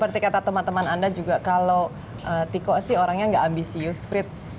seperti kata teman teman anda juga kalau tiko sih orangnya nggak ambisius sprit